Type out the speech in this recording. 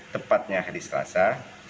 tepatnya hari selasa